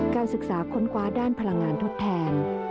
การศึกษาค้นคว้าด้านพลังงานทดแทน